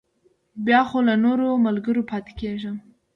بیا خو له نورو ملګرو پاتې کېږم.